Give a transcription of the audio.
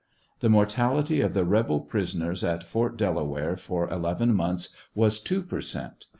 The mortality of the rebel prisoners at Fort Delaware for eleven months was two per cent.